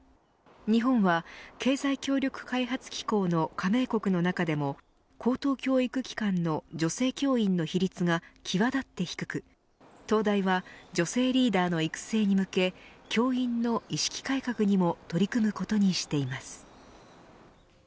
日本は経済協力開発機構の加盟国の中でも高等教育機関の女性教員の比率が際立って低く東大は女性リーダーの育成に向け教員の意識改革にも取り組むことにしています。